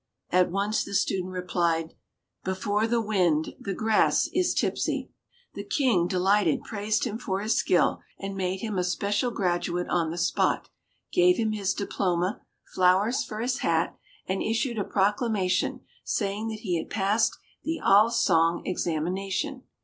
At once the student replied "Before the wind the grass is tipsy." The King, delighted, praised him for his skill and made him a special graduate on the spot, gave him his diploma, flowers for his hat, and issued a proclamation saying that he had passed the Al song Examination.